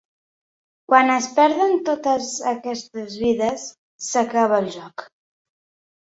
Quan es perden totes aquestes vides, s'acaba el joc.